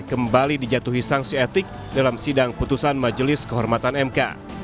kembali dijatuhi sanksi etik dalam sidang putusan majelis kehormatan mk